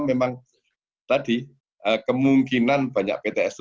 memang tadi kemungkinan banyak pts tutup ya itu